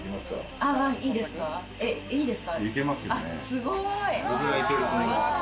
すごい！